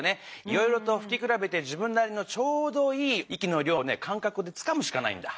いろいろとふきくらべて自分なりのちょうどいい息の量をね感覚でつかむしかないんだ。